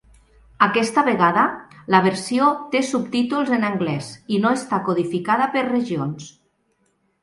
Aquesta vegada, la versió té subtítols en anglès i no està codificada per regions.